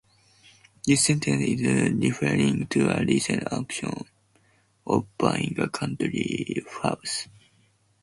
This sentence is referring to a recent action of buying a country house.